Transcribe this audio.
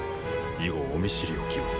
以後お見知りおきを。